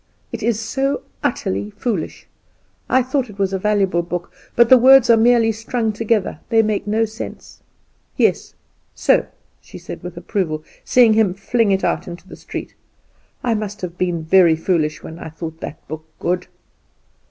It is so utterly foolish. I thought it was a valuable book; but the words are merely strung together, they make no sense. Yes so!" she said with approval, seeing him fling it out into the street. "I must have been very foolish when I thought that book good."